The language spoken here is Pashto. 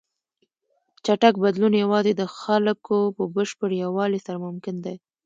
چټک بدلون یوازې د خلکو په بشپړ یووالي سره ممکن دی.